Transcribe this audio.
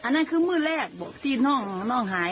นั่นคือมือแรกบอกที่น้องหาย